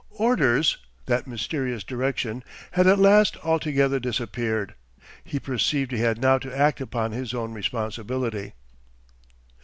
'Orders,' that mysterious direction, had at last altogether disappeared. He perceived he had now to act upon his own responsibility.